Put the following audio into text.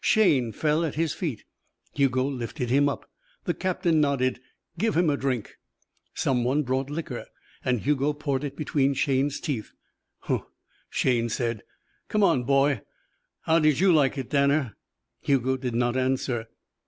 Shayne fell at his feet. Hugo lifted him up. The captain nodded. "Give him a drink." Someone brought liquor, and Hugo poured it between Shayne's teeth. "Huh!" Shayne said. "Come on, boy." "How did you like it, Danner?" Hugo did not answer.